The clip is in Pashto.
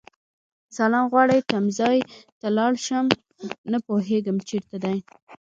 سلام غواړم تمځای ته لاړشم خو نه پوهيږم چیرته دی